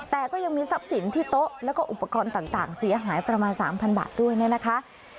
แต่ก็ยังมีทรัพย์สินที่โต๊ะแล้วก็อุปกรณ์ต่างเสียหายประมาณ๓๐๐บาทด้วยเนี่ยนะคะ